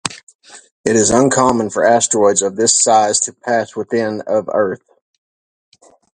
It is uncommon for asteroids of this size to pass within of Earth.